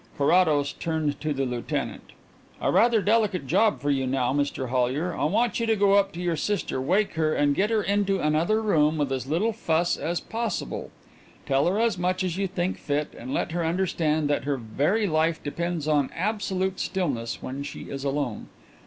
Carrados turned to the lieutenant. "A rather delicate job for you now, Mr Hollyer. I want you to go up to your sister, wake her, and get her into another room with as little fuss as possible. Tell her as much as you think fit and let her understand that her very life depends on absolute stillness when she is alone.